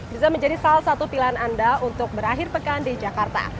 bisa menjadi salah satu pilihan anda untuk berakhir pekan di jakarta